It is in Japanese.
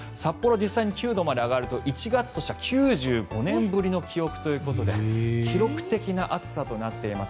実際に９度まで上がると１月としては９５年ぶりということで記録的な暑さとなっています。